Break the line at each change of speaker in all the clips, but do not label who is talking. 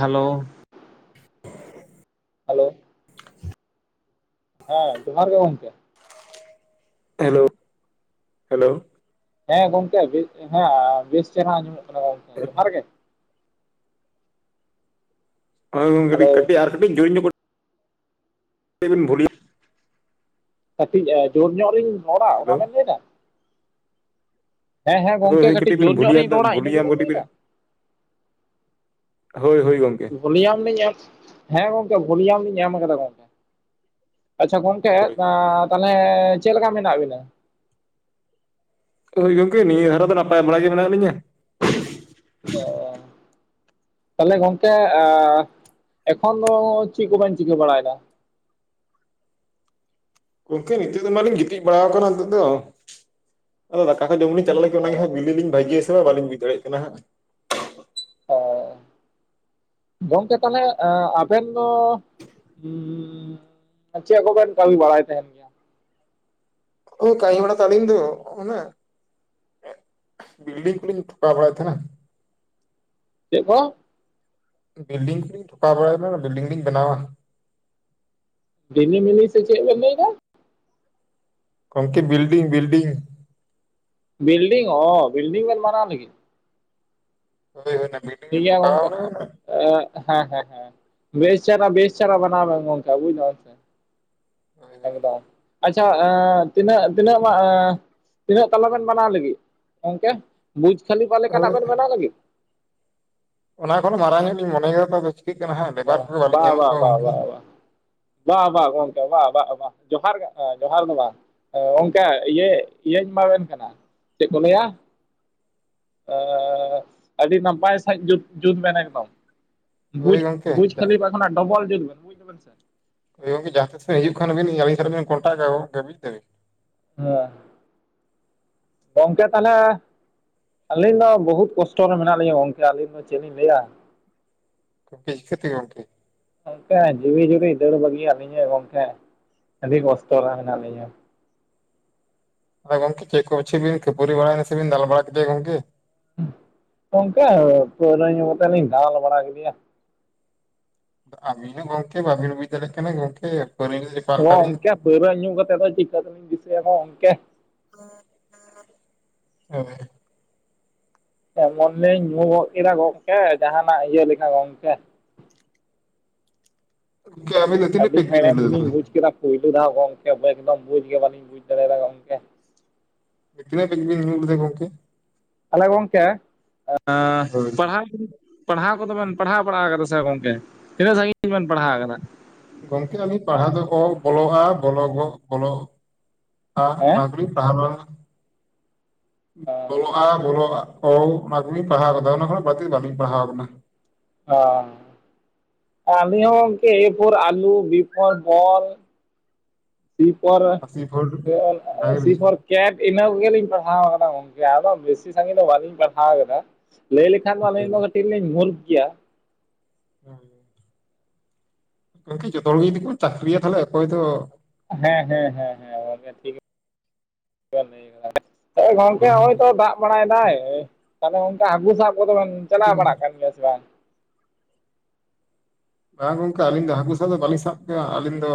Hello.
[inaudible]
Hello. ᱦᱮᱸ ᱡᱚᱦᱟᱨ ᱜᱮ ᱜᱚᱝᱠᱮ᱾
Hello, hello.
ᱦᱮᱸ ᱜᱚᱝᱠᱮ ᱵᱮᱥ ᱦᱮᱸ ᱵᱮᱥ ᱪᱮᱦᱨᱟ ᱟᱸᱡᱚᱢᱚᱜ ᱠᱟᱱᱟ ᱜᱚᱢᱠᱮ, ᱡᱚᱦᱟᱨ ᱜᱮ᱾
ᱦᱳᱭ ᱜᱚᱢᱠᱮ
ᱦᱮᱞᱳ
ᱠᱟᱴᱤᱡ ᱟᱨ ᱡᱟᱴᱤᱡ ᱡᱳᱨᱧᱚᱸᱜ ᱠᱟᱹ ᱴᱤᱡ ᱵᱤᱱ ᱵᱷᱩᱞᱤ
ᱠᱟᱹᱴᱤᱡ ᱟ ᱡᱳᱨ ᱧᱚᱜ ᱞᱤᱧ ᱨᱚᱲᱟ ᱚᱱᱟ
ᱦᱮᱞᱳ
ᱵᱮᱱ ᱞᱟᱹᱭ ᱫᱟ? ᱦᱮᱸ ᱦᱮᱸ
ᱦᱳᱭ
ᱜᱚᱝᱠᱮ
ᱦᱳᱭ ᱠᱟᱹᱴᱤᱡ
ᱠᱟᱴᱤᱡ
ᱵᱤᱱ
ᱡᱳᱨ ᱧᱚᱜ
ᱵᱷᱩᱞᱤᱭᱟ
ᱨᱤᱧ ᱨᱚᱲᱟ ᱤᱱᱟᱹ
ᱵᱷᱩᱞᱤᱭᱟᱢ
ᱜᱮᱵᱮᱱ
ᱠᱟᱹᱴᱤᱡ
ᱞᱟᱹᱭ
ᱵᱤᱱ
ᱫᱟ?
ᱦᱳᱭ ᱦᱳᱭ ᱜᱚᱝᱠᱮ᱾
ᱵᱷᱚᱞᱤᱭᱟᱢ ᱞᱤᱧ ᱮᱢ, ᱦᱮᱸ ᱜᱚᱝᱠᱮ ᱵᱷᱚᱞᱤᱭᱟᱢ ᱞᱤᱧ ᱮᱢ ᱠᱟᱫᱟ ᱜᱚᱝᱠᱮ᱾ ᱟᱪᱪᱷᱟ ᱜᱚᱝᱠᱮ
ᱦᱳᱭ ᱦᱳᱭ
ᱮᱸ ᱛᱟᱦᱚᱞᱮ ᱪᱮᱫ ᱞᱮᱠᱟ ᱢᱮᱱᱟᱜ ᱵᱤᱱᱟ?
ᱦᱳᱭ ᱜᱚᱝᱠᱮ ᱱᱤᱭᱟᱹ ᱫᱷᱟᱨᱟ ᱫᱚ ᱱᱟᱯᱟᱭ ᱵᱟᱲᱟ ᱜᱮ ᱢᱮᱱᱟᱜ ᱞᱤᱧᱟᱹ᱾
ᱚ᱾ ᱛᱟᱦᱚᱞᱮ ᱜᱚᱝᱠᱮ ᱟ ᱮᱠᱷᱚᱱ ᱫᱚ ᱪᱮᱫ ᱠᱚ ᱵᱮᱱ ᱪᱤᱠᱟᱹ ᱵᱟᱲᱟᱭᱫᱟ?
ᱜᱚᱢᱠᱮ ᱱᱤᱛᱚᱜ ᱫᱚ ᱢᱟᱞᱤᱧ ᱜᱤᱛᱤᱡ ᱵᱟᱲᱟᱣ ᱠᱟᱱᱟ ᱱᱤᱛᱚᱜ ᱫᱚ ᱟᱫᱚ ᱫᱟᱠᱟ ᱠᱚ ᱡᱚᱢ ᱞᱤᱧ ᱪᱟᱞᱟᱜ ᱞᱟᱹᱜᱤᱫ᱾ ᱟᱫᱚ ᱚᱱᱟᱜᱮ ᱦᱟᱸᱜ ᱵᱤᱞᱤ ᱞᱤᱧ ᱵᱷᱟᱹᱡᱤᱭᱟ ᱥᱮ ᱵᱟᱝ ᱵᱟᱞᱤᱧ ᱵᱩᱡᱽ ᱫᱟᱲᱮᱭᱟᱜ ᱠᱟᱱᱟ ᱦᱟᱸᱜ᱾
ᱚ ᱜᱚᱢᱠᱮ ᱛᱟᱦᱚᱞᱮ ᱟ ᱟᱵᱮᱱ ᱫᱚ ᱦᱩᱸᱻ ᱟ ᱪᱮᱫ ᱠᱚᱵᱮᱱ ᱠᱟᱹᱢᱤ ᱵᱟᱲᱟᱭ ᱛᱟᱦᱮᱸᱱ ᱜᱮᱭᱟ?
ᱳᱭ ᱠᱟᱹᱢᱤ ᱵᱟᱲᱟ ᱫᱚ ᱟᱹᱞᱤᱧ ᱫᱚ ᱚᱱᱟ ᱵᱤᱞᱰᱤᱝ ᱠᱚᱞᱤᱧ ᱴᱷᱚᱠᱟᱣ ᱵᱟᱲᱟᱭ ᱛᱟᱦᱮᱸᱱᱟ᱾
ᱪᱮᱫ ᱠᱚ?
ᱵᱤᱞᱰᱤᱝ ᱠᱚᱞᱤᱧ ᱴᱷᱚᱠᱟᱣ ᱵᱟᱲᱟᱭᱫᱟ ᱢᱟᱱᱮ ᱵᱤᱞᱰᱤᱝ ᱞᱤᱧ ᱵᱮᱱᱟᱣᱟ᱾
[unintelligible] ᱥᱮ ᱪᱮᱫ ᱵᱮᱱ ᱞᱟᱹᱭᱫᱟ?
ᱜᱚᱝᱠᱮ ᱵᱤᱞᱰᱤᱝ ᱵᱤᱞᱰᱤᱝ᱾
ᱵᱤᱞᱰᱤᱝ ᱚ, ᱵᱤᱞᱰᱤᱝ ᱵᱮᱱ ᱵᱟᱱᱟᱣ ᱞᱟᱹᱜᱤᱫ?
ᱦᱳᱭ ᱚᱱᱟ ᱵᱤᱞ
ᱴᱷᱤᱠ ᱜᱮᱭᱟ ᱜᱚᱝᱠᱮ᱾ ᱮᱸᱜ ᱦᱮᱸ ᱦᱮᱸ ᱦᱮᱸ ᱵᱮᱥ ᱪᱮᱦᱨᱟ ᱵᱮᱥ ᱪᱮᱦᱨᱟ ᱵᱟᱱᱟᱣ ᱵᱮᱱ ᱜᱚᱢᱠᱮ ᱵᱩᱡᱽ ᱫᱟᱢ ᱥᱮ᱾
ᱦᱳᱭ
ᱮᱠᱫᱚᱢ᱾ ᱟᱪᱪᱷᱟ ᱟ ᱛᱤᱱᱟᱹᱜ- ᱛᱤᱱᱟᱹᱜ ᱢᱟ ᱛᱤᱱᱟᱹᱜ ᱛᱟᱞᱟ ᱵᱮᱱ ᱵᱟᱱᱟᱣ ᱞᱟᱹᱜᱤᱫ ᱜᱚᱝᱠᱮ? ᱵᱩᱨᱡ ᱠᱷᱟᱹᱞᱤᱯᱟ
ᱦᱳᱭ
ᱞᱮᱠᱟᱱᱟᱜ ᱵᱮᱱ ᱵᱮᱱᱟᱣ ᱞᱟᱹᱜᱤᱫ?
ᱚᱱᱟ ᱠᱷᱚᱱ ᱦᱚᱸ ᱢᱟᱨᱟᱝ ᱧᱚᱜ ᱞᱤᱧ ᱢᱚᱱᱮᱭ ᱠᱟᱫᱟ ᱛᱚ ᱟᱫᱚ ᱪᱤᱠᱟᱹᱜ ᱠᱟᱱᱟ ᱦᱟᱸᱜ ᱞᱮᱵᱟᱨ ᱠᱚᱜᱮ ᱵᱟᱹᱞᱤᱧ
ᱵᱟ
ᱧᱟᱢᱮᱫ
ᱵᱟ
ᱠᱚᱣᱟ
ᱵᱟ
ᱜᱚᱝᱠᱮ᱾
ᱵᱟ ᱵᱟ ᱵᱟ ᱵᱟ ᱜᱚᱢᱠᱮ ᱵᱟ ᱵᱟ ᱵᱟ ᱡᱚᱦᱟᱨ ᱜᱮ ᱡᱚᱦᱟᱨ ᱫᱚ ᱵᱟᱝ ᱚ ᱜᱚᱝᱠᱮ ᱤᱭᱟᱹ ᱤᱭᱟᱹᱧ ᱮᱢᱟᱵᱮᱱ ᱠᱟᱱᱟ ᱪᱮᱫ ᱠᱚ ᱞᱟᱹᱭᱟ ᱟᱻ ᱟᱹᱰᱤ ᱱᱟᱯᱟᱭ ᱥᱟᱺᱦᱤᱡ ᱡᱩᱛ ᱡᱩᱛ ᱵᱮᱱ ᱮᱠᱫᱚᱢ᱾
ᱦᱳᱭ
ᱵᱩᱡ
ᱜᱚᱝᱠᱮ
ᱵᱩᱨᱡ ᱠᱷᱟᱞᱤᱯᱷᱟ ᱠᱷᱚᱱᱟᱜ ᱰᱚᱵᱚᱞ ᱡᱩᱞᱵᱮᱱ ᱵᱩᱡ ᱫᱟᱵᱮᱱ ᱥᱮ?
ᱦᱳᱭ ᱜᱚᱝᱠᱮ ᱡᱟᱦᱟᱸ ᱛᱤᱥ ᱵᱮᱱ ᱦᱤᱡᱩᱜ ᱠᱷᱟᱱᱵᱤᱱ ᱟᱹᱞᱤᱧ ᱥᱮᱫ ᱨᱮ ᱵᱮᱱ ᱠᱚᱱᱴᱟᱠᱟ ᱵᱩᱡ ᱫᱟᱹᱵᱤᱱ?
ᱦᱮᱸ, ᱜᱚᱝᱠᱮ ᱛᱟᱦᱚᱞᱮ ᱟᱹᱞᱤᱧ ᱫᱚ ᱵᱚᱦᱩᱛ ᱠᱚᱥᱴᱚ ᱨᱮ ᱢᱮᱱᱟᱜ ᱞᱤᱧᱟ ᱜᱚᱢᱠᱮ ᱟᱹᱞᱤᱧ ᱫᱚ ᱪᱮᱫ ᱞᱤᱧ ᱞᱟᱹᱭᱟ?
[unintelligible] ᱛᱮ ᱜᱚᱝᱠᱮ?
ᱜᱚᱝᱠᱮ ᱡᱤᱣᱤ ᱡᱩᱨᱤ ᱫᱟᱹᱲ ᱵᱟᱹᱜᱤᱭᱟᱫ ᱞᱤᱧᱟᱭ ᱜᱚᱝᱠᱮ᱾ ᱟᱹᱰᱤ ᱠᱚᱥᱴᱚ ᱨᱮ ᱢᱮᱱᱟᱜ ᱞᱤᱧᱟ ᱾
ᱟᱫᱚ ᱜᱚᱢᱠᱮ ᱪᱮᱫ ᱠᱚ ᱯᱟᱪᱷᱮ ᱠᱷᱟᱹᱯᱟᱨᱤ ᱵᱟᱲᱟᱭᱱᱟ ᱥᱮ ᱵᱤᱱ ᱫᱟᱞ ᱵᱟᱲᱟ ᱠᱮᱫᱮᱭᱟ ᱜᱚᱢᱠᱮ?
ᱜᱚᱝᱠᱮ ᱯᱟᱹᱣᱨᱟᱹ ᱧᱩ ᱠᱟᱛᱮ ᱞᱤᱧ ᱫᱟᱞ ᱵᱟᱲᱟ ᱠᱮᱫᱮᱭᱟ ᱾
ᱟᱫᱚ ᱟᱹᱵᱤᱱ ᱦᱚᱸ ᱜᱚᱝᱠᱮ ᱵᱟᱹᱵᱤᱱ ᱵᱩᱡ ᱫᱟᱲᱮᱜ ᱠᱟᱱᱟ ᱜᱚᱢᱠᱮ ᱯᱟᱹᱣᱨᱟᱹ ᱧᱩ ᱠᱟᱛᱮ
ᱦᱚᱸ ᱜᱚᱝᱠᱮ ᱯᱟᱹᱣᱨᱟᱹ ᱧᱩ ᱠᱟᱛᱮᱫ ᱫᱚ ᱪᱤᱠᱟᱹ ᱛᱮᱞᱤᱧ ᱫᱤᱥᱟᱹᱭᱟ ᱟᱫᱚ ᱜᱚᱝᱠᱮ?
[unintelligible]
ᱮᱢᱚᱱ ᱞᱤᱧ ᱧᱩ ᱜᱚᱫ ᱠᱮᱫᱟ ᱜᱚᱢᱠᱮ ᱡᱟᱦᱟᱸᱱᱟᱜ ᱤᱭᱟᱹ ᱞᱮᱠᱟ ᱜᱚᱢᱠᱮ ᱾
[unintelligible]
ᱟᱹᱰᱤ
ᱧᱩ
ᱦᱮᱲᱮᱢ
ᱞᱮᱫᱟ
ᱜᱮᱞᱤᱧ
ᱛᱟᱦᱚᱞᱮ
ᱵᱩᱡ ᱠᱮᱫᱟ ᱯᱩᱭᱭᱞᱩ ᱫᱷᱟᱣ ᱜᱚᱢᱠᱮ ᱮᱠᱫᱚᱢ ᱵᱩᱡ ᱜᱮ ᱵᱟᱹᱞᱤᱧ ᱵᱩᱡ ᱫᱟᱲᱮᱭᱟᱫᱟ ᱜᱚᱝᱠᱮ ᱾
[unintelligible] ᱵᱮ ᱵᱤᱧ [unintelligible] ᱜᱚᱢᱠᱮ
ᱛᱟᱦᱞᱮ ᱜᱚᱝᱠᱮ ᱟᱸᱻ
ᱦᱳᱭ
ᱯᱟᱲᱦᱟᱣ ᱠᱚᱫᱚ ᱯᱟᱲᱦᱟᱣ ᱠᱚᱫᱚ ᱵᱮᱱ ᱯᱟᱲᱦᱟᱣ ᱵᱟᱲᱟ ᱠᱟᱫᱟ ᱥᱮ ᱜᱚᱝᱠᱮ ᱛᱤᱱᱟᱹᱜ ᱥᱟᱺᱜᱤᱧ ᱵᱮᱱ ᱯᱟᱲᱦᱟᱣ ᱟᱠᱟᱱᱟ?
ᱜᱚᱝᱠᱮ ᱟᱹᱞᱤᱧ ᱯᱟᱲᱦᱟᱣ ᱫᱚ ᱚᱞ ᱵᱚᱞᱚᱜᱼᱟ ᱵᱚᱞᱚ ᱜᱚᱜ ᱵᱚᱞᱚ [unintelligible] ᱚᱱᱟ
ᱦᱮᱸ
ᱫᱚᱞᱤᱧ ᱯᱟᱲᱦᱟᱣᱟ ᱾ ᱵᱚᱞᱚᱜᱼᱟ ᱵᱚᱞᱚᱜᱼᱟ ᱚᱱᱟ ᱠᱚᱜᱮᱧ ᱯᱟᱲᱦᱟᱣ ᱠᱟᱫᱟ ᱚᱱᱟ ᱠᱷᱚᱱ ᱵᱟᱹᱲᱛᱤ ᱵᱟᱹᱞᱤᱧ ᱯᱟᱲᱦᱟᱣ ᱟᱠᱟᱱᱟ ᱾
ᱚ ᱟᱹᱞᱤᱧ ᱦᱚᱸ ᱜᱚᱝᱠᱮ ᱮ ᱯᱷᱳᱨ ᱟᱞᱩ B four ball C for
ᱟᱥᱤ ᱵᱷᱳᱨ
[unintelligible] ᱥᱤ
ᱰᱟᱝᱨᱤ
ᱯᱚᱨ ᱠᱮᱴ ᱤᱱᱟᱹ ᱠᱚᱜᱮᱞᱤᱧ ᱯᱟᱲᱦᱟᱣ ᱟᱠᱟᱫᱟ ᱜᱚᱝᱠᱮ ᱟᱫᱚ ᱵᱮᱥᱤ ᱥᱟᱺᱜᱤᱧ ᱫᱚ ᱵᱟᱹᱞᱤᱧ ᱯᱟᱲᱦᱟᱣ ᱟᱠᱟᱫᱟ ᱾ ᱞᱟᱹᱭ ᱞᱮᱠᱷᱟᱱ ᱫᱚ
ᱦᱳᱭ
ᱟᱹᱞᱤᱧ ᱫᱚ ᱠᱟᱹᱴᱤᱡ ᱞᱤᱧ ᱢᱩᱨᱠᱷ ᱜᱮᱭᱟ ᱾
ᱦᱮᱸ ᱾ ᱜᱚᱝᱠᱮ ᱡᱚᱛᱚ ᱦᱚᱲ ᱜᱮ ᱡᱩᱫᱤ ᱵᱚᱱ ᱪᱟᱹᱠᱨᱤᱭᱟ ᱛᱟᱦᱞᱮ ᱚᱠᱚᱭ ᱫᱚ
ᱦᱮᱸ ᱦᱮᱸ ᱦᱮᱸ ᱦᱮᱸᱜᱚᱝᱠᱮ ᱴᱷᱤᱠ [unintelligible] ᱦᱮᱸ ᱜᱚᱢᱠᱮ ᱱᱚᱜᱼᱚᱭ ᱛᱚ ᱫᱟᱜ ᱵᱟᱲᱟᱭᱮᱫᱟᱭ ᱛᱟᱦᱚᱞᱮ ᱜᱚᱝᱠᱮ ᱦᱟᱹᱠᱩ ᱥᱟᱵ ᱠᱚᱫᱚᱵᱮᱱ ᱪᱟᱞᱟᱣ ᱵᱟᱲᱟᱜ ᱠᱟᱱ ᱜᱮᱭᱟ ᱥᱮ ᱵᱟᱝ ᱾
ᱵᱟᱝ ᱜᱚᱝᱠᱮ ᱟᱹᱞᱤᱧ ᱫᱚ ᱦᱟᱹᱠᱩ ᱥᱟᱵ ᱫᱚ ᱵᱟᱹᱞᱤᱧ ᱥᱟᱵ ᱠᱚᱣᱟ ᱟᱹᱞᱤᱧ ᱫᱚ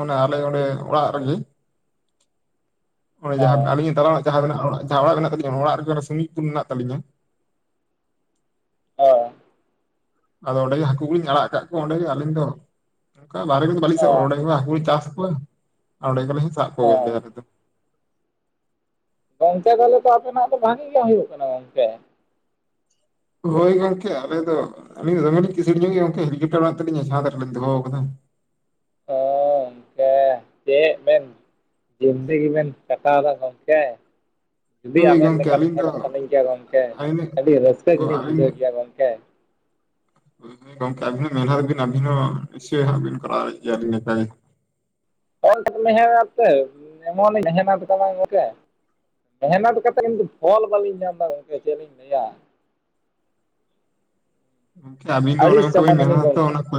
ᱚᱱᱮ ᱟᱞᱮ ᱚᱸᱰᱮ ᱚᱲᱟᱜ ᱨᱮᱜᱮ ᱾
[inaudible]
ᱚᱱᱮ ᱡᱟᱦᱟᱸ ᱟᱹᱞᱤᱧ ᱛᱟᱞᱟ ᱨᱮᱱᱟᱜ ᱡᱟᱦᱟᱸᱟᱜ ᱚᱲᱟᱜ ᱢᱮᱱᱟᱜ ᱛᱟᱹᱞᱤᱧᱟ ᱚᱱᱟ ᱚᱲᱟᱜ ᱨᱮᱜᱮ ᱥᱩᱢᱤᱝᱯᱩᱨ ᱢᱮᱱᱟᱜ ᱛᱟᱹᱞᱤᱧᱟ ᱾
ᱚᱻ
ᱟᱫᱚ ᱚᱸᱰᱮ ᱜᱮ ᱦᱟᱹᱠᱩ ᱠᱚᱞᱤᱧ ᱟᱲᱟᱜ ᱟᱠᱟᱫ ᱠᱚᱣᱟ ᱚᱸᱰᱮ ᱜᱮ ᱟᱹᱞᱤᱧ ᱫᱚ ᱾ ᱚᱱᱠᱟ ᱵᱟᱦᱨᱮ ᱫᱚ ᱵᱟᱹᱞᱤᱧ ᱥᱟᱵ
ᱚ
ᱚᱸᱰᱮ ᱦᱟᱹᱠᱩ ᱞᱮ ᱪᱟᱥ ᱠᱚᱣᱟ ᱟᱨ ᱚᱸᱰᱮ ᱜᱮᱞᱮ ᱥᱟᱵ ᱠᱚᱜᱮᱭᱟᱞ
ᱚ
ᱟᱞᱮ ᱫᱚ ᱾
ᱜᱚᱢᱠᱮ ᱛᱟᱦᱚᱞᱮ ᱛᱚ ᱟᱯᱮᱱᱟᱜ ᱫᱚ ᱵᱷᱟᱹᱜᱤ ᱜᱮ ᱦᱩᱭᱩᱜ ᱠᱟᱱᱟ ᱜᱚᱝᱠᱮ ᱾
ᱦᱳᱭ ᱜᱚᱝᱠᱮ ᱟᱞᱮ ᱫᱚ ᱟᱹᱞᱤᱧ ᱫᱚ ᱫᱚᱢᱮ ᱞᱤᱧ ᱠᱤᱥᱟᱹᱬ ᱧᱚᱜ ᱜᱮ ᱜᱚᱝᱠᱮ ᱦᱮᱞᱤᱠᱯᱴᱟᱨ ᱢᱮᱱᱟᱜ ᱛᱟᱹᱞᱤᱧᱟ ᱪᱷᱟᱛ ᱨᱮᱞᱤᱧ ᱫᱚᱦᱚ ᱟᱠᱟᱫᱟ ᱾
ᱚᱻ [unintelligible] ᱦᱮᱸ ᱪᱮᱫ ᱵᱮᱱ ᱡᱤᱱᱫᱮᱜᱤ ᱵᱮᱱ ᱠᱟᱴᱟᱣ ᱮᱫᱟ ᱜᱚᱢᱠᱮ ᱾ ᱡᱩᱫᱤ
ᱦᱳᱭ
ᱟᱵᱮᱱ
ᱜᱚᱝᱠᱮ
ᱞᱮᱠᱟ
ᱟᱹᱞᱤᱧ
ᱛᱟᱦᱮᱸ
ᱫᱚ
ᱠᱚᱜ ᱥᱟᱱᱟᱹᱧ ᱠᱮᱭᱟ ᱜᱚᱢᱠᱮ
ᱟᱭᱱᱮ
ᱟᱹᱰᱤ ᱨᱟᱹᱥᱠᱟᱹ
ᱜᱚ
ᱜᱮᱞᱤᱧ
ᱟᱹᱞᱤᱧ
ᱵᱩᱡᱷᱟᱹᱣ ᱠᱮᱭᱟ ᱜᱚᱢᱠᱮ ᱾
ᱜᱚᱢᱠᱮ [unintelligible] ᱤᱱᱟᱹ ᱠᱷᱟᱡ ᱾
[unintelligible] ᱵᱟᱝ ᱜᱚᱢᱠᱮ ᱢᱮᱦᱱᱚᱛ ᱠᱟᱛᱮᱫ ᱠᱤᱱᱛᱩ ᱚᱞ ᱵᱟᱹᱞᱤᱧ ᱜᱟᱱ ᱮᱫᱟ ᱜᱚᱢᱠᱮ ᱪᱮᱫ ᱞᱤᱧ ᱞᱟᱹᱭᱟ ᱾
ᱜᱚᱝᱠᱮ ᱟᱹᱵᱤᱱ ᱫᱚ ᱚᱱᱮ
ᱟᱹᱲᱤᱥ ᱪᱟᱵᱟᱭ
ᱵᱤᱱ
ᱱᱟᱞᱤᱧ
ᱢᱮᱱᱟ
ᱜᱚᱝᱠᱮ
ᱚᱱᱟ ᱠᱚ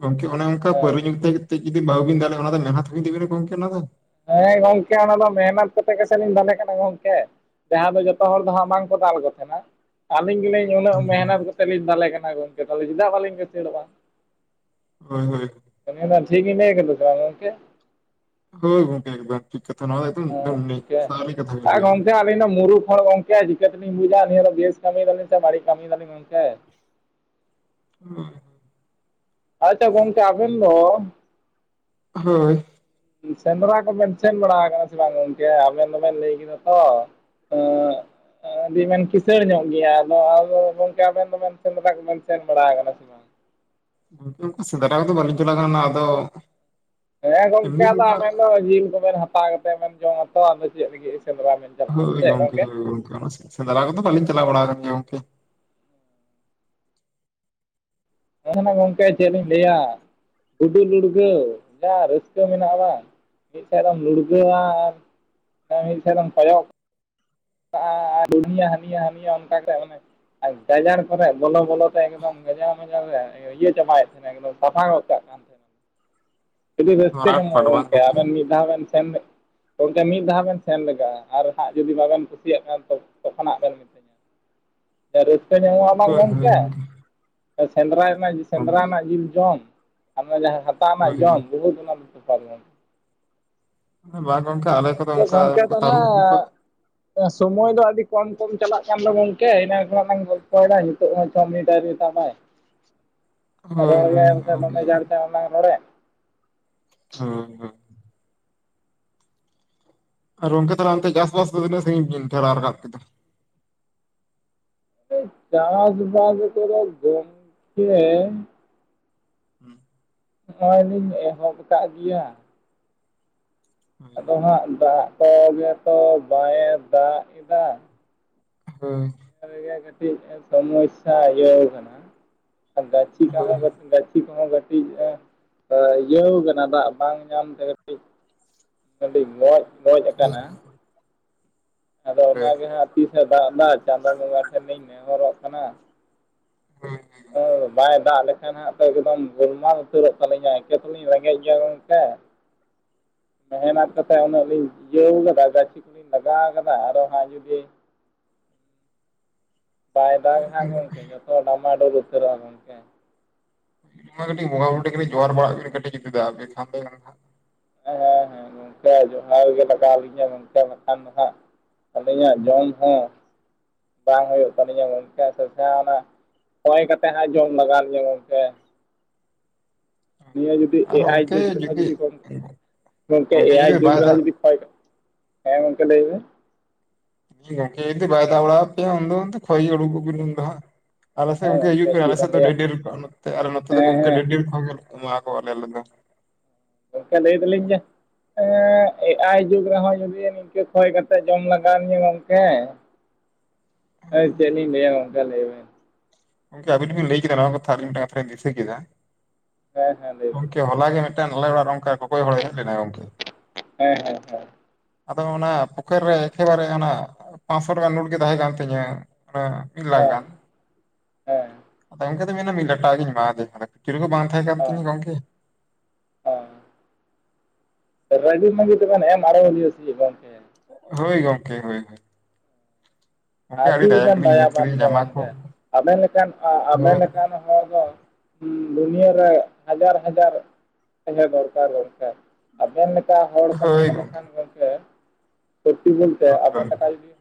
ᱜᱚᱝᱠᱮ ᱚᱱᱮ ᱚᱱᱠᱟ
ᱦᱮᱸ
ᱯᱟᱹᱨᱣᱟᱹ ᱧᱩ ᱛᱮ ᱠᱟᱛᱮ ᱡᱩᱫᱤ ᱵᱟᱹᱵᱤᱱ ᱫᱟᱲᱮᱭᱟᱜ ᱚᱱᱟ ᱫᱚ ᱢᱮᱦᱱᱚᱛ ᱦᱩᱭᱤᱱ ᱛᱟᱹᱵᱤᱱᱟ ᱜᱚᱢᱠᱮ ᱚᱱᱟ ᱫᱚ ᱾
ᱦᱮᱸ ᱜᱚᱢᱠᱮ ᱚᱱᱟ ᱫᱚ ᱢᱮᱦᱱᱚᱛ ᱠᱟᱛᱮ ᱜᱮᱥᱮ ᱫᱟᱞᱮ ᱠᱟᱱᱟ ᱜᱚᱢᱠᱮ᱾ ᱡᱟᱦᱟᱸ ᱫᱚ ᱡᱚᱛᱚ ᱦᱚᱲ ᱫᱚ ᱦᱟᱸᱜ ᱟᱢᱟᱝ ᱠᱚ ᱫᱟᱞ ᱠᱚ ᱛᱟᱦᱮᱱᱟ᱾ ᱟᱹᱞᱤᱧ ᱜᱮᱞᱤᱧ ᱪᱮ ᱩᱱᱟᱹᱜ ᱢᱮᱦᱱᱚᱛ ᱠᱟᱛᱮ ᱞᱤᱧ ᱫᱟᱞᱮ ᱠᱟᱱᱟ ᱜᱚᱝᱠᱮ᱾ ᱛᱟᱦᱚᱞᱮ ᱪᱮᱫᱟᱜ ᱵᱟᱞᱤᱧ ᱠᱩᱥᱟᱹᱲᱚᱜᱼᱟ᱾
ᱦᱳᱭ ᱦᱳᱭ᱾
[unintelligible] ᱴᱷᱤᱜ ᱜᱤᱧ ᱞᱟᱹᱭ ᱠᱟᱫᱟ ᱥᱮ ᱵᱟᱝ ᱜᱚᱝᱠᱮ?
ᱦᱳᱭ ᱜᱚᱢᱠᱮ ᱮᱫᱚᱢ ᱴᱷᱤᱠ ᱠᱟᱛᱷᱟ᱾ ᱱᱚᱣᱟ ᱫᱚ ᱮᱫᱚᱢᱚᱢ
ᱦᱮᱸ
ᱱᱤᱜ
ᱜᱚᱝᱠᱮ
ᱠᱟᱛᱷᱟ ᱜᱮ
ᱟᱨ
ᱞᱟᱹᱭ
ᱜᱚᱝᱠᱮ ᱟᱹᱞᱤᱧ ᱫᱚ ᱢᱩᱨᱩᱠᱷ ᱦᱟᱲ ᱜᱚᱝᱠᱮ᱾ ᱪᱤᱠᱟᱹᱛᱮᱞᱤᱧ ᱵᱩᱡᱟ ᱱᱤᱭᱟᱹ ᱵᱮᱥ ᱠᱟᱹᱢᱤᱭ ᱫᱟᱞᱤᱧ ᱥᱮ ᱵᱟᱹᱲᱤᱡ ᱠᱟᱹᱢᱤᱭ ᱫᱟᱞᱤᱧ ᱜᱚᱝᱠᱮ᱾
ᱚ᱾
ᱟᱪᱪᱷᱟ ᱜᱚᱝᱠᱮ ᱟᱵᱮᱱ ᱫᱚ
ᱦᱳᱭ᱾
ᱩᱸᱸᱥᱮᱸᱫᱽᱨᱟ ᱠᱚᱵᱮᱱ ᱥᱮᱱ ᱵᱟᱲᱟᱣ ᱟᱠᱟᱱᱟ ᱥᱮ ᱵᱟᱝ ᱜᱚᱝᱠᱮ? ᱟᱵᱮᱱ ᱫᱚᱵᱮᱱ ᱞᱟᱹᱭ ᱠᱮᱫᱟ ᱛᱷᱚ᱾ ᱮᱸᱜ ᱟᱹᱰᱤ ᱵᱮᱱ ᱠᱤᱥᱟᱹᱬ ᱧᱚᱜ ᱜᱮᱭᱟ ᱟᱫᱚ ᱟᱫᱚ ᱜᱚᱝᱠᱮ ᱟᱵᱮᱱ ᱫᱚᱵᱮᱱ ᱥᱮᱸᱫᱽᱨᱟ ᱠᱚᱵᱮᱱ ᱥᱮᱱ ᱵᱟᱲᱟᱣ ᱟᱠᱟᱱᱟ ᱥᱮ ᱵᱟᱝ?
[unintelligible] ᱥᱮᱫᱴᱟᱜ ᱫᱚ ᱵᱞᱤᱧ ᱪᱟᱞᱟᱣ ᱠᱟᱱᱟ ᱱᱟᱜ ᱟᱫᱚ
ᱦᱮᱸ ᱜᱚᱝᱠᱮ
ᱮᱢᱱᱤ
ᱟᱫᱚ
ᱚᱱᱠᱟ
ᱟᱵᱮᱱ ᱫᱚ ᱡᱤᱞ ᱠᱚᱵᱮᱱ ᱦᱟᱛᱟᱣ ᱠᱟᱛᱮᱫ ᱵᱮᱱ ᱡᱚᱢᱟ ᱛᱚ ᱟᱫᱚ ᱪᱮᱫ ᱞᱟᱹᱜᱤᱫ ᱥᱮᱸᱫᱽᱨᱟ ᱵᱮᱱ ᱪᱟᱞᱟᱜᱼᱟ
ᱦᱳᱭ
ᱪᱮᱫ
ᱜᱚᱝᱠᱮ ᱜᱚᱝᱠᱮ ᱚᱱᱠᱟ ᱱᱟ ᱥᱮᱸᱫᱽᱨᱟ ᱠᱚ ᱫᱚ ᱵᱟᱹᱞᱤᱧ ᱪᱟᱞᱟᱣ ᱵᱟᱲᱟ ᱟᱠᱟᱱ ᱜᱮᱭᱟ ᱜᱚᱝᱠᱮ᱾
ᱦᱮᱸ ᱦᱟᱱᱟ ᱜᱚᱝᱠᱮ ᱪᱮᱫ ᱞᱤᱧ ᱞᱟᱹᱭᱟ ᱜᱩᱰᱩ ᱞᱩᱲᱜᱟᱹᱣ ᱡᱟ ᱨᱟᱹᱥᱠᱟᱹ ᱢᱮᱱᱟᱜᱼᱟ ᱵᱟᱝ᱾ ᱢᱤᱫ ᱥᱮᱫ ᱨᱮᱫᱚᱢ ᱞᱩᱲᱜᱟᱹᱣᱟ ᱟᱨ ᱢᱤᱫ ᱥᱮᱫᱚᱢ ᱠᱚᱭᱚᱜᱼᱟ ᱾ ᱠᱟᱜ-ᱟᱨ ᱤᱱᱤᱭᱟᱜ ᱦᱟᱱᱤᱭᱟᱜ ᱦᱟᱱᱤᱭᱟ ᱚᱱᱠᱟ ᱢᱮᱫᱴᱮᱡ ᱢᱟᱱᱮ ᱟᱨ ᱜᱟᱡᱟᱲ ᱠᱚᱨᱮᱜ ᱵᱚᱞᱚ ᱵᱚᱞᱚ ᱛᱮ ᱮᱠᱫᱚᱢ ᱜᱟᱡᱟᱣ-ᱢᱟᱡᱟᱣ ᱨᱮ ᱤᱭᱟᱹ ᱪᱟᱵᱟᱭᱮᱫ ᱛᱟᱦᱮᱱᱟ ᱥᱟᱥᱟᱝ ᱜᱚᱫ ᱠᱟᱱ ᱛᱟᱦᱮᱱᱟ ᱾ ᱟᱹᱰᱤ ᱨᱟᱹᱥᱠᱟᱹ
ᱱᱚᱣᱟ ᱟᱴ
ᱧᱟᱢᱚᱜᱼᱟ
ᱯᱟᱴ ᱵᱟᱝ
ᱜᱚᱢᱠᱮ
ᱜᱚᱝᱠᱮ
ᱟᱵᱮᱱ ᱢᱤᱫ ᱫᱷᱟᱣ ᱵᱮᱱ ᱥᱮᱱ ᱜᱚᱝᱠᱮ ᱢᱤᱫ ᱫᱷᱟᱣ ᱵᱮᱱ ᱥᱮᱱ ᱞᱮᱼᱟ ᱟᱨ ᱵᱟᱠᱷᱟᱡ ᱡᱩᱫᱤ ᱵᱟᱵᱮᱱ ᱠᱩᱥᱤᱭᱟᱜᱬᱠᱟᱱᱟ ᱛᱚ ᱛᱚᱠᱷᱚᱱᱟᱜ ᱵᱮᱱ ᱢᱤᱛᱟᱹᱧᱟ ᱨᱟᱹᱥᱠᱟᱹ ᱧᱟᱢᱚᱜᱼᱟ ᱵᱟᱝ
ᱦᱳᱭ ᱦᱳᱭ
ᱜᱚᱢᱠᱮ
ᱜᱚᱝᱠᱮ
ᱥᱮᱸᱫᱽᱨᱟ ᱨᱮᱱᱟᱜ
ᱜᱚᱝᱠᱮ
ᱥᱮᱸᱫᱽᱨᱟ ᱨᱮᱱᱟᱜ ᱡᱤᱞ ᱡᱚᱢ ᱟᱨ [unintelligible] ᱛᱟᱜ ᱱᱟᱜ
ᱦᱳᱭ
ᱡᱚᱱ ᱵᱚᱦᱩ [unintelligible]
ᱵᱟᱝ ᱜᱚᱝᱠᱮ ᱟᱞᱮ ᱠᱚᱫᱚ
ᱜᱚᱝᱠᱮ
ᱚᱱᱠᱟᱠᱟ ᱛᱟᱹᱨᱩᱵᱽ ᱚᱱᱠᱟ
ᱛᱟᱦᱚᱞᱮ ᱥᱚᱢᱚᱭ ᱫᱚ ᱟᱹᱰᱤ ᱠᱚᱢ ᱠᱚᱢ ᱪᱟᱞᱟᱜ ᱠᱟᱱ ᱫᱚ ᱜᱚᱝᱠᱮ ᱤᱱᱟᱹᱱ ᱠᱷᱚᱱᱟᱜ ᱞᱟᱝ ᱜᱚᱞᱯᱚᱭᱮᱫᱟ ᱱᱤᱛ ᱛᱳᱜ ᱦᱚᱸ ᱪᱷᱚ ᱢᱤᱱᱤᱴ ᱟᱣᱨᱤ
ᱦᱳᱭ
ᱛᱟᱵᱟᱭᱨᱚᱲ ᱜᱮ
ᱦᱳᱭ
ᱥᱮ
ᱜᱚᱝᱠᱮ
ᱫᱚᱢᱮ ᱡᱟᱨ ᱪᱟᱞᱟᱝ ᱱᱚᱰᱮ
ᱦᱩᱸ᱾ ᱟᱨ ᱜᱚᱢᱠᱮ ᱛᱟᱦᱞᱮ ᱮᱱᱛᱮ ᱪᱟᱥᱵᱟᱥ ᱫᱚ ᱛᱱᱟᱹᱜᱺᱜᱤᱧ ᱪᱞᱵᱤᱱ ᱴᱮᱞᱟᱣ ᱨᱟᱠᱟᱵ ᱠᱮᱫᱟ?
ᱪᱟᱥ ᱵᱟᱥ ᱛᱮᱫᱚ ᱜᱚᱢᱠᱮ
[inaudible]
ᱱᱚᱜ-ᱚᱭ ᱞᱤᱧ ᱮᱦᱚᱵ ᱟᱠᱟᱫ ᱜᱮᱭᱟ᱾
ᱦᱳᱭ
ᱟᱫᱚ ᱦᱟᱸᱜ ᱫᱟᱜ ᱠᱚ ᱜᱮᱛᱚ ᱵᱟᱸᱭᱮ ᱫᱟᱜ ᱮᱫᱟ᱾
ᱦᱮᱸ ᱾
ᱨᱮᱜᱮ ᱠᱟᱹᱴᱤᱡ ᱥᱚᱢᱚᱥᱥᱟ ᱤᱭᱟᱹᱣ ᱠᱟᱱᱟ ᱜᱟᱪᱷᱤᱴᱟᱜ
ᱦᱳᱭ
ᱦᱚᱸ [unintelligible] ᱛᱤ ᱠᱚᱦᱚᱸ ᱠᱟᱹᱴᱤᱡ ᱮ ᱤᱭᱟᱹᱣ ᱠᱟᱱᱟ ᱫᱟᱜ ᱵᱟᱝ ᱧᱟᱢ ᱛᱮ ᱠᱟᱹᱴᱤᱡ ᱱᱚᱰᱤ ᱜᱚᱡ ᱜᱚᱡ ᱟᱠᱟᱱᱟ᱾ ᱟᱫᱚ
ᱦᱳᱭ
ᱚᱱᱟᱜᱮ ᱦᱟᱸᱜ ᱛᱤᱥᱮ ᱫᱟᱜ ᱮᱫᱟ ᱪᱟᱸᱫᱳ ᱵᱚᱸᱜᱟ ᱴᱷᱮᱱᱤᱧ ᱱᱮᱦᱚᱨᱚᱜ ᱠᱟᱱᱟ᱾
ᱦᱳᱭ᱾
ᱚ ᱫᱚ ᱵᱟᱭ ᱫᱟᱜ ᱞᱮᱠᱷ ᱠᱷᱟᱱ ᱦᱟᱸᱜ ᱫᱚ ᱮᱠᱫᱚᱢ ᱜᱚᱞᱢᱟᱞ ᱩᱛᱟᱹᱨᱚᱜ ᱛᱟᱹᱞᱤᱧᱟ ᱮᱠᱟᱹ ᱛᱞᱤᱧᱟ ᱮᱠᱮ ᱮᱞᱛᱮᱞᱤᱧ ᱨᱮᱸᱜᱮᱡ ᱜᱮᱭᱟ ᱜᱚᱢᱠᱮ᱾ ᱢᱮᱦᱱᱚᱛ ᱠᱟ ᱠᱟᱛᱮᱫ ᱩᱱᱟᱹᱜ ᱞᱤᱧ ᱤᱭᱟᱹᱣ ᱠᱟᱫᱟ ᱜᱟᱹᱪᱷᱤ ᱠᱚᱞᱤᱧ ᱞᱟᱜᱟᱣ ᱠᱟᱫᱟ ᱟᱨᱚ ᱦᱟᱸᱜ ᱡᱩᱫᱤ ᱵᱟᱭ ᱫᱟᱜᱟ ᱦᱟᱸᱜ ᱜᱚᱢᱠᱮ ᱡᱚᱛᱚ ᱰᱟᱢᱟᱵᱳᱞ ᱩᱛᱟᱹᱨᱚᱜ-ᱟ ᱜᱚᱢᱠᱮ᱾
ᱢᱟ ᱠᱟᱹᱴᱤᱡ ᱵᱚᱸᱜᱟ ᱵᱩᱨᱩ ᱴᱷᱮᱡ ᱠᱟᱹᱴᱤᱡ ᱡᱚᱦᱟᱨ ᱵᱟᱲᱟᱜ ᱵᱤᱱ ᱠᱟᱹᱴᱤᱡ ᱡᱩᱫᱤ ᱫᱟᱜ ᱟᱵᱮᱱ ᱠᱷᱟᱱ ᱫᱚᱭ᱾
ᱦᱮᱸ ᱦᱮᱸ ᱜᱚᱝᱠᱮ ᱡᱚᱦᱟᱨ ᱜᱮ ᱞᱟᱜᱟᱣ ᱞᱤᱧᱟ ᱜᱚᱝᱠᱮ ᱵᱟᱠᱷᱟᱱ ᱫᱚ ᱦᱟᱸᱜ ᱟᱹᱞᱤᱧᱟᱜ ᱡᱚᱢ ᱦᱚᱸ ᱵᱟᱝ ᱦᱩᱭᱩᱜ ᱛᱟᱞᱤᱧᱟ [inaudible] ᱥᱮ ᱡᱟᱦᱟᱸ ᱚᱱᱟ ᱠᱚᱭ ᱠᱟᱛᱮ ᱦᱟᱸᱜ ᱡᱚᱢ ᱞᱟᱜᱟᱣ ᱞᱤᱧᱟ ᱜᱚᱢᱠᱮ ᱾ ᱱᱤᱭᱟᱹ ᱡᱩᱫᱤ ᱮ
ᱟᱨᱚ
ᱟᱭ
ᱜᱚᱝᱠᱮ
ᱡᱩᱜᱽ ᱨᱮᱦᱚᱸ ᱡᱩᱫᱤ ᱜᱢ ᱜᱚᱝᱠᱮ ᱮ ᱟᱭ
ᱡᱩᱫᱤ
ᱡᱩᱜᱽ
ᱵᱟᱭ
ᱨᱮᱦᱚᱸ
ᱫᱟᱜ
ᱡᱩᱫᱤ ᱠᱷᱚᱭ ᱜ ᱦᱮᱸ ᱜᱚᱢᱠᱮ ᱞᱟᱹᱭ ᱢᱮ ᱾
ᱜᱚᱝᱠᱮ ᱡᱩᱫᱤ ᱵᱟᱭ ᱫᱟᱜ ᱵᱟᱲᱟ ᱯᱮᱭᱟ ᱩᱱᱫᱚ ᱠᱷᱟᱹᱭᱜᱤ ᱩᱰᱩᱜᱚᱜ ᱵᱤᱱ ᱩᱱᱫᱚ ᱦᱟᱜ ᱾ ᱟᱞᱮ ᱥᱮᱫ
ᱦᱮᱸ
ᱜᱚᱝᱠᱮ ᱦᱤᱡᱩᱜ ᱯᱮ
ᱪᱮᱫ
ᱟᱞᱮ
ᱵᱮᱱ
ᱥᱮᱫ ᱫᱚ
ᱞᱟᱹᱭᱟ
ᱰᱷᱮᱨ ᱰᱷᱮᱨ ᱟᱨ ᱱᱚᱛᱮ ᱫᱚ
ᱦᱮᱸ
ᱜᱚᱝᱠᱮ
ᱦᱮᱸ
ᱰᱷᱮᱨ ᱰᱷᱮᱨ ᱠᱷᱚᱱᱞᱮ ᱮᱢᱟ ᱠᱚᱣᱟᱞᱮ ᱟᱞᱮ ᱫᱚ ᱾
ᱜᱚᱝᱠᱮ ᱞᱟᱹᱭ ᱫᱟᱞᱤᱧ ᱡᱮ ᱮ ᱟᱭ ᱡᱩᱜᱽ ᱨᱮᱦᱚᱸ ᱡᱩᱫᱤ ᱠᱷᱚᱭ ᱠᱟᱛᱮᱜ ᱡᱚᱢ ᱞᱟᱜᱟᱣᱤᱧᱟᱹ ᱜᱚᱝᱠᱮ ᱾ ᱦᱮᱸ ᱪᱮᱫ ᱞᱤᱧ ᱞᱟᱹᱭᱟ ᱜᱚᱝᱠᱮ ᱞᱟᱹᱭ ᱵᱮᱱ?
ᱜᱚᱝᱠᱮ ᱟᱵᱤᱱ ᱵᱤᱱ ᱞᱟᱹᱭ ᱠᱮᱫᱟ ᱱᱚᱣᱟ ᱠᱟᱛᱷᱟ ᱟᱞᱤᱧ ᱢᱮᱴᱟᱡᱽ ᱠᱟᱛᱷᱟ ᱞᱤᱧ ᱫᱤᱥᱟᱹ ᱠᱮᱫᱟ ᱾
ᱦᱮᱸ ᱦᱮᱸ ᱞᱟᱹᱭ ᱵᱤᱱ ᱾
ᱦᱚᱞᱟ ᱜᱮ ᱢᱤᱫᱴᱟᱝ ᱟᱞᱮ ᱚᱲᱟᱜ ᱨᱮ ᱚᱱᱠᱟ ᱠᱚᱠᱚᱭ ᱦᱚᱲᱮ ᱦᱮᱡ ᱞᱮᱱᱟᱭ ᱜᱚᱝᱠᱮ ᱾
ᱦᱮᱸ ᱦᱮᱸ ᱦᱮᱸ
ᱟᱫᱚ ᱚᱱᱟ ᱯᱚᱠᱮᱴ ᱨᱮ ᱮᱠᱮᱵᱟᱨᱮ ᱚᱱᱟ ᱯᱟᱥᱥᱚ ᱴᱟᱠᱟ ᱱᱚᱴ ᱜᱮ ᱛᱟᱦᱮ ᱠᱟᱱ ᱛᱤᱧᱟᱹ ᱾ ᱚᱱᱟ ᱢᱤᱫ ᱞᱟᱠᱷ
ᱦᱮᱸ
ᱜᱟᱱ ᱾
ᱦᱮᱸ ᱾
ᱟᱫᱚ ᱜᱚᱢᱠᱮ ᱫᱚ ᱢᱮᱱᱟ ᱢᱤᱫᱴᱟᱜ [inaudible] ᱮᱢᱟᱫᱮᱭᱟ ᱠᱷᱩᱪᱨᱟᱹ ᱠᱚ ᱵᱟᱝ ᱛᱟᱦᱮ ᱠᱟᱱ ᱛᱤᱧᱟᱹ ᱜᱚᱢᱠᱮ ᱾
ᱨᱟᱜᱤ ᱢᱟᱜᱤ ᱛᱮ ᱵᱮᱱ ᱮᱢ ᱟᱦᱳᱭᱟ ᱥᱮ ᱜᱚᱢᱠᱮ ᱾
ᱦᱳᱭ ᱜᱚᱢᱠᱮ ᱦᱳᱭ ᱦᱳᱭ ᱾
ᱟᱹᱰᱤᱵᱟᱱ
ᱜᱮᱞᱤᱧ ᱧᱮᱞ
ᱫᱟᱭᱟᱵᱟᱱ
ᱠᱮᱫᱮᱭᱟ
ᱜᱮᱭᱟ
ᱡᱟᱢᱟ ᱠᱚ
ᱜᱚᱢᱠᱮ ᱟᱵᱮᱱ ᱞᱮᱠᱟᱱ ᱟᱵᱮᱱ
ᱦᱳᱭ
ᱞᱮᱠᱟᱱ ᱦᱚᱲ ᱫᱚ ᱫᱩᱱᱭᱟᱹ ᱨᱮ ᱦᱟᱡᱟᱨ ᱦᱟᱡᱟᱨ ᱦᱩᱭ ᱦᱚ ᱫᱚᱨᱠᱟᱨ ᱜᱚᱢᱠᱮ᱾ ᱟᱵᱮᱱ ᱞᱮᱠᱟ ᱦᱚᱲ ᱠᱚ
ᱦᱳᱭ
ᱛᱟᱦᱮᱸ
ᱜᱚᱝᱠᱮ
ᱞᱮᱠᱷᱟᱱ ᱜᱚᱢᱠᱮ ᱯᱨᱛᱤ ᱵᱚᱞᱛᱮ
ᱦᱳᱭ
ᱟᱵᱮᱱ
ᱦᱳᱭ᱾
ᱞᱮᱠᱟ ᱡᱩᱫᱤ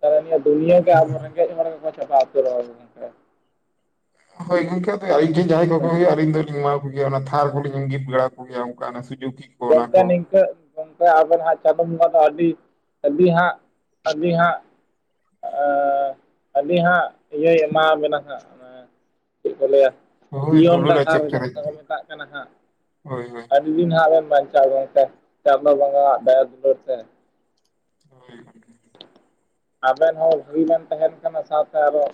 ᱛᱟᱦᱞᱮ ᱱᱤᱭᱹ ᱫᱩᱱᱤᱭᱟᱹ ᱜᱮ ᱟᱵᱟ ᱨᱮᱜᱮᱡ ᱦᱚᱲ ᱠᱚ ᱪᱟᱵᱟ ᱩᱛᱟᱹᱨᱚᱜᱼᱟ ᱵᱟᱠᱷᱟᱱ ᱾
ᱦᱳᱭ ᱜᱚᱢᱠᱮ ᱚᱫᱚ ᱟᱭᱮᱱ ᱡᱟᱦᱟᱸᱭ ᱠᱚᱠᱚ
ᱦᱮᱸ
ᱦᱳᱭᱳᱜ ᱟᱹᱞᱤᱧ ᱫᱚᱞᱤᱧ ᱮᱢᱟ ᱠᱚ᱾ ᱚᱱᱟ ᱛᱷᱟᱨ ᱠᱚᱞᱤᱧ ᱤᱝᱜᱤᱯᱷ ᱵᱮᱲᱟ ᱟᱠᱚᱜᱮᱭᱟ ᱚᱱᱠᱟ ᱥᱩᱡᱳᱠ ᱾
ᱜᱚᱢᱠᱮ ᱱᱤᱝᱠᱟᱹ ᱜᱚᱝᱠᱮ ᱟᱵᱮᱱ ᱦᱟᱜ ᱪᱟᱸᱫᱳ ᱵᱚᱸᱜᱟ ᱫᱚ ᱟᱹᱰᱤ ᱟᱹᱰᱤ ᱦᱟᱜ ᱟᱹᱰᱤ ᱦᱟᱜ ᱟ ᱟᱹᱞᱤ ᱦᱟᱜ ᱤᱭᱟᱹᱭ ᱮᱢᱟᱵᱮᱱᱟ ᱦᱟᱜ ᱪᱮᱫ ᱠᱚ ᱞᱟᱹᱭᱟ
ᱦᱳᱭ
ᱡᱤᱭᱚᱱ
ᱫᱩᱞᱟᱹᱲ
ᱰᱟᱦᱟᱨ
ᱟᱪᱚᱨ ᱪᱚᱨᱚᱡ
ᱡᱟᱦᱟᱸ ᱠᱚ ᱢᱮᱛᱟᱜ ᱠᱟᱱᱟ ᱦᱟᱜ᱾
ᱦᱳᱭ ᱦᱳᱭ
ᱢᱤᱫᱤᱱ ᱦᱟᱜ ᱵᱤᱱ ᱵᱟᱧᱪᱟᱜᱼᱟ ᱜᱚᱢᱠᱮ ᱪᱟᱸᱫᱚ ᱵᱚᱸᱜᱟᱼᱣᱟᱜ ᱫᱟᱭᱟ ᱫᱩᱞᱟᱹᱲ ᱛᱮ᱾
ᱦᱩᱸ ᱾
ᱟᱵᱮᱱ ᱦᱚᱸ ᱵᱷᱟᱹᱜᱤ ᱵᱮᱱ ᱛᱟᱦᱮᱱ ᱠᱟᱱᱟ ᱥᱟᱶᱛᱮ ᱟᱨᱚ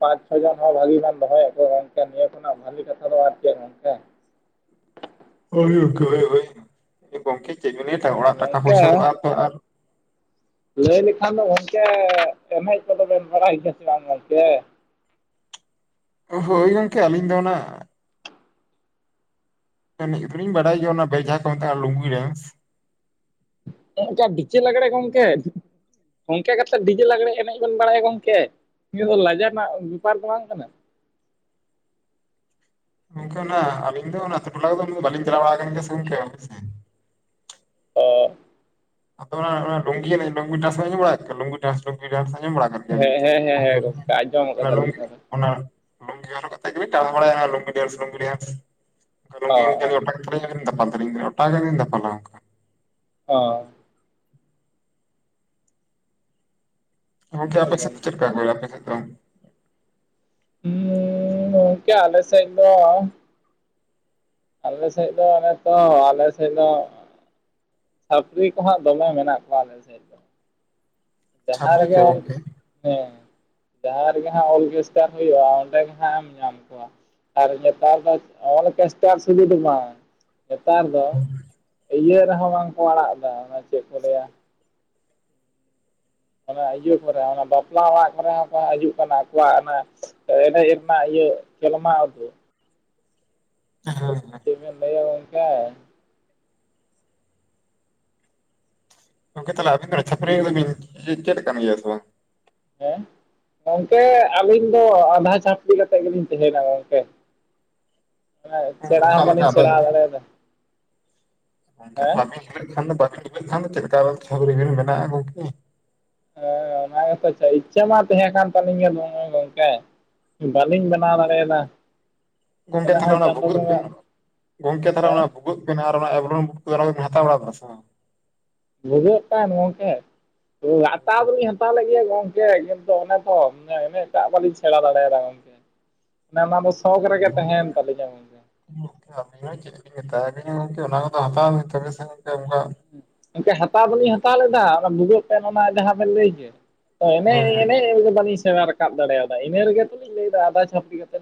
ᱯᱟᱸᱪ ᱪᱷᱚ ᱡᱚᱱ ᱦᱚᱸ ᱵᱷᱟᱜᱤ ᱜᱟᱱ ᱫᱚᱦᱚᱭᱮᱫ ᱠᱚᱣᱟ ᱜᱚᱝᱠᱮ ᱱᱤᱭᱟᱹ ᱠᱷᱚᱱᱟᱜ ᱵᱷᱷᱟᱞᱤ ᱠᱟᱛᱷᱟ ᱫᱚ ᱟᱨ ᱪᱮᱫ ᱜᱚᱝᱠᱮ᱾
[inaudible]
ᱜᱚᱢᱠᱮ
ᱯᱚᱭᱥᱟ
᱾
ᱫᱚ ᱟᱨ ᱛᱚ ᱟᱨ
ᱞᱟᱹᱭ ᱞᱮᱠᱷᱟᱱ ᱫᱚ ᱜᱚᱝᱠᱮ ᱮᱱᱮᱡ ᱠᱚᱫᱚᱵᱮᱱ ᱵᱟᱲᱟᱭ ᱜᱮᱭᱟ ᱥᱮ ᱵᱟᱝ ᱜᱚᱝᱠᱮ?
ᱦᱳᱭ ᱜᱚᱢᱠᱮ ᱟᱹᱞᱤᱧ ᱫᱚ ᱚᱱᱟ ᱮᱱᱮᱡ ᱠᱚᱫᱚ ᱞᱤᱧ ᱵᱟᱰᱟᱭ ᱜᱮᱭᱟ ᱚᱱᱟ ᱵᱮᱡᱟᱦᱟᱸ ᱠᱚ ᱢᱮᱛᱟᱜᱼᱟ ᱞᱩᱝᱜᱤ ᱰᱮᱱᱥ᱾
ᱜᱚᱢᱠᱮ ᱵᱤᱪᱮ ᱞᱟᱜᱽᱲᱮ ᱜᱚᱢᱠᱮ᱾ ᱜᱚᱢᱠᱮ ᱠᱟᱛᱮᱫ ᱰᱤᱡᱮ ᱞᱟᱜᱽᱲᱮ ᱮᱱᱮᱡ ᱵᱮᱱ ᱵᱟᱲᱟᱭᱟ ᱜᱚᱝᱠᱮ, ᱱᱤᱭᱟᱹ ᱫᱚ ᱞᱟᱡᱟᱣ ᱨᱮᱱᱟᱜ ᱵᱮᱯᱟᱨ ᱫᱚ ᱵᱟᱝ ᱠᱟᱱᱟ᱾
ᱜᱚᱝᱠᱮ ᱚᱱᱟ ᱟᱞᱤᱧ ᱫᱚ ᱚᱱᱟ ᱟᱹᱛᱳ ᱴᱚᱞᱟ ᱫᱚ ᱵᱟᱹᱞᱤᱧ ᱪᱟᱞᱟᱣ ᱵᱟᱲᱟ ᱟᱠᱟᱱ ᱜᱮᱭᱟ ᱥᱮ ᱜᱚᱝᱠᱮ᱾
ᱚᱜ
ᱟᱫᱚ ᱚᱱᱟ ᱞᱩᱝᱜᱤ ᱮᱱᱮᱪ ᱞᱩᱝᱜᱤ ᱰᱟᱱᱥ ᱟᱡᱚᱢ ᱵᱟᱲᱟ ᱟᱠᱟᱫᱟ ᱞᱩᱝᱜᱤ ᱰᱮᱱᱥ ᱞᱩᱝᱜᱤ ᱰᱮᱱᱥ ᱟᱡᱚᱢ ᱵᱟᱲᱟ
ᱦᱮᱸ ᱦᱮᱸ ᱦᱮᱸ ᱦᱮᱸ ᱜᱚᱝᱠᱮ ᱟᱸᱡᱚᱢ
[inaudible] ᱚᱱᱟ
ᱠᱟᱫᱟᱞᱤᱧ
ᱞᱩᱝᱜᱤ ᱾ ᱚᱱᱟ ᱞᱩᱝᱜᱤ ᱦᱚᱨᱚᱜ ᱠᱟᱛᱮᱫ ᱜᱮ ᱵᱤᱱ ᱫᱟᱲᱟ ᱵᱟᱲᱟᱭᱟ ᱦᱟᱜ ᱞᱩᱝᱜᱤ ᱰᱮᱱᱥ ᱞᱩᱝᱜᱤ ᱰᱮᱱᱥ ᱚᱱᱠᱟ
ᱫᱚ
ᱞᱩᱝᱜᱤ ᱚᱴᱟᱜ
ᱚ
ᱠᱟᱛᱮ [inaudible] ᱫᱟᱯᱟᱞ ᱛᱟᱵᱤᱱ ᱚᱴᱟᱜ ᱜᱮᱧ ᱫᱟᱯᱞᱟ ᱚᱱᱠᱟ᱾
ᱚ
ᱜᱚᱝᱠᱮ ᱟᱯᱮᱥᱮᱫ ᱪᱚᱫᱠᱟ ᱠᱚ ᱟᱯᱮ ᱥᱮᱫ ᱫᱚ
ᱦᱩᱸ ᱜᱚᱝᱠᱮ ᱟᱞᱥ ᱤ ᱫᱚ ᱟᱞᱮᱥᱮᱫ ᱫᱚ ᱚᱱᱮ ᱛᱚ ᱟᱞᱮ ᱥᱮᱫ ᱫᱚ ᱪᱟᱹᱯᱨᱤ ᱠᱚᱦᱟᱜ ᱫᱚᱢᱮ ᱢᱮᱱᱟᱜ ᱠᱚᱣᱟ ᱟᱞᱮ ᱥᱮᱫ ᱫᱚ᱾ ᱡᱟᱦᱟᱸ
ᱪᱷᱟᱯᱨᱤ
ᱨᱮᱜᱮ
ᱠᱚ
ᱦᱚᱲ
ᱜᱚᱝᱠᱮ?
ᱦᱮᱸ ᱡᱟᱦᱟᱸ ᱨᱮᱜᱮ ᱦᱟᱸᱜ ᱚᱞᱜᱮᱥᱴᱟᱨ ᱦᱩᱭᱩᱜᱼᱟ ᱚᱸᱰᱮ ᱜᱮ ᱦᱟᱸᱜ ᱮᱢ ᱧᱟᱢ ᱠᱚᱣᱟ᱾ ᱟᱨ ᱱᱮᱛᱟᱨ ᱫᱚ ᱚᱞᱠᱮᱥᱴᱟᱨ ᱥᱩᱫᱷᱩ ᱫᱚ ᱵᱟᱝ ᱱᱮᱛᱟᱨ ᱫᱚ ᱤᱭᱟᱹ ᱨᱮᱦᱚᱸ ᱵᱟᱝᱠᱚ ᱟᱲᱟᱜ ᱮᱫᱟ ᱚᱱᱟ ᱪᱮᱫ ᱠᱚ ᱞᱟᱹᱭᱟ ᱚᱱᱟ ᱤᱭᱟᱹ ᱠᱚᱨᱮ ᱚᱱᱟ ᱵᱟᱯᱞᱟ ᱚᱲᱟᱜ ᱠᱚᱨᱮ ᱦᱚᱸᱠᱚ ᱦᱤᱡᱩᱜ ᱠᱟᱱᱟ ᱟᱠᱚᱣᱟᱜ ᱚᱱᱟ ᱮᱱᱮᱡ ᱨᱮᱱᱟᱜ ᱤᱭᱟᱹ ᱠᱮᱞᱢᱟ ᱩᱫᱩᱜ᱾
ᱦᱮᱸ ᱦᱮᱸ
ᱪᱮᱫ ᱵᱮᱱ ᱞᱟᱹᱭᱟ ᱜᱚᱝᱠᱮ
ᱜᱚᱝᱠᱮ ᱛᱟᱦᱚᱞᱮ ᱟᱵᱤᱱ ᱫᱚ ᱪᱷᱟᱹᱯᱟᱹᱨᱤ ᱮᱱᱮᱡ ᱵᱤᱱ ᱪᱮᱫ ᱠᱟᱱ ᱜᱮᱭᱟ ᱥᱮ ᱵᱟᱝ?
ᱦᱮᱸ ᱜᱚᱝᱠᱮ ᱟᱹᱞᱤᱧ ᱫᱚ ᱟᱸᱫᱷᱟ ᱪᱷᱟᱹᱯᱲᱤ ᱠᱟᱛᱮᱫ ᱜᱮᱞᱤᱧ ᱛᱟᱸᱦᱮᱱᱟ ᱜᱚᱩᱠᱮ᱾ ᱥᱮᱬᱟ
ᱚᱠᱟ
ᱦᱚᱸ
ᱞᱮᱠᱟ
ᱵᱟᱹᱞᱤᱧ
ᱟᱫᱚ
ᱥᱮᱲᱟ ᱵᱟᱲᱟᱭ ᱮᱫᱟ
[inaudible] ᱪᱮᱫᱠᱟ ᱫᱚ ᱪᱷᱟᱹᱯᱟᱹᱨᱤ ᱵᱤᱱ ᱵᱮᱱᱟᱜᱼᱟ ᱜᱚᱢᱠᱮ᱾
ᱦᱮᱸ ᱚᱱᱟ ᱜᱮᱛᱚ ᱟᱪᱷᱟ ᱤᱪᱪᱷᱟᱹ ᱢᱟ ᱛᱟᱦᱮᱸ ᱠᱟᱱ ᱛᱟᱹᱟᱞᱤᱧ ᱜᱮᱭᱟ ᱫᱚᱢᱮ ᱜᱚᱢᱠᱮ᱾ ᱵᱟᱹᱞᱤᱧ ᱵᱮᱱᱟᱣ ᱫᱟᱲᱮᱭᱟᱫᱟ᱾
ᱜᱚᱝᱠᱮ
ᱢᱚᱱᱮ
ᱛᱟᱦᱚᱞᱮ
ᱦᱚᱭ
ᱚᱱᱟ
ᱪᱟᱸᱫᱳ ᱵᱚᱸᱜᱟ
ᱵᱷᱩᱜᱩᱜᱤᱱ ᱜᱚᱝᱠᱮ
ᱦᱮᱸ
ᱛᱟᱦᱚᱞᱮ ᱵᱷᱩᱜ᱾ [unintelligible]
ᱵᱷᱩᱡᱟᱹᱜ ᱠᱟᱱ ᱜᱚᱝᱠᱮ ᱦᱟᱛᱟᱣ ᱫᱚᱞᱤᱧ ᱦᱟᱛᱟᱣ ᱞᱮᱫ ᱜᱮᱭᱟ ᱜᱚᱝᱠᱮ ᱠᱤᱱᱛᱩ ᱚᱱᱮ ᱛᱚ ᱮᱱᱴᱟᱜ ᱵᱟᱞᱤᱧ ᱥᱮᱬᱟ ᱫᱟᱲᱮᱭᱟᱫᱟ ᱜᱚᱝᱠᱮ ᱮ ᱚᱱᱟ ᱫᱚ ᱥᱚᱠ ᱨᱮᱜᱮ ᱛᱟᱦᱮᱱ ᱮᱶ ᱛᱟᱹᱞᱤᱧᱟ᱾
ᱟᱵᱤᱱ ᱦᱚᱸ ᱪᱮᱫ ᱤᱧ ᱢᱮᱛᱟᱶᱟᱵᱤᱱᱟ ᱜᱚᱝᱠᱮ ᱚᱱᱟ ᱠᱚᱫᱚ ᱦᱟᱛᱟᱣ ᱛᱚᱵᱮ ᱥᱮ ᱚᱱᱠᱟᱼᱼ
ᱜᱚᱱᱠᱮ ᱦᱟᱛᱟᱣ ᱵᱟᱹᱞᱤᱧ ᱦᱟᱛᱟᱣ ᱞᱮᱫᱟ ᱚᱱᱟ ᱵᱷᱩᱜᱟᱹᱜ [unintelligible] ᱚᱱᱟ ᱡᱟᱦᱟᱸ ᱵᱮᱱ ᱞᱟᱹᱭ ᱮᱱᱮᱡ
ᱦᱳᱭ
ᱮᱱᱮᱡ ᱨᱮᱜᱮ ᱵᱟᱞᱤᱧ ᱥᱮᱬᱟ ᱨᱟᱠᱟᱵ ᱫᱟᱲᱮᱭᱟᱫᱟ ᱤᱱᱟᱹ ᱨᱮᱜᱮ ᱛᱚᱞᱤᱧ ᱞᱟᱹᱭᱫᱟ ᱟᱫᱷᱟ ᱪᱷᱟᱹᱯᱤ ᱠᱟᱛᱮᱼᱼ